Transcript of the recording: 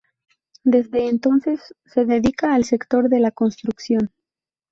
Desde entonces se dedica al sector de la construcción.